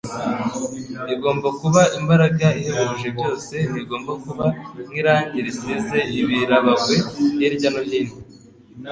igomba kuba imbaraga ihebuje byose. Ntigomba kuba nk'irangi risize ibirabagwe hirya no hino,